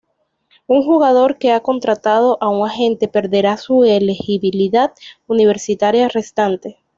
Un jugador que ha contratado a un agente perderá su elegibilidad universitaria restante.